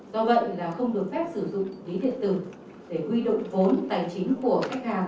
do vậy là không được phép sử dụng ví điện tử để huy động vốn tài chính của khách hàng